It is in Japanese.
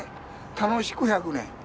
楽しく１００年。